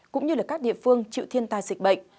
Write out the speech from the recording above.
cũng như các địa phương chịu thiên tai dịch bệnh